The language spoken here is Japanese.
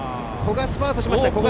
古賀、スパートしました。